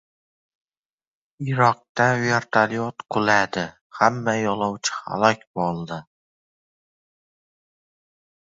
Iroqda vertolyot quladi. Hamma yo‘lovchi halok bo‘ldi